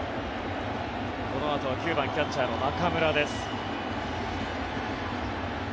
このあとは９番キャッチャーの中村です。